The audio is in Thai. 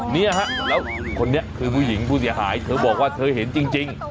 เนี่ยฮะแล้วคนนี้คือผู้หญิงผู้เสียหายเธอบอกว่าเธอเห็นจริง